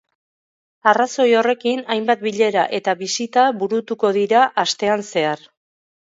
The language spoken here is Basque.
Arrazoi horrekin, hainbat bilera eta bisita burutuko dira astean zehar.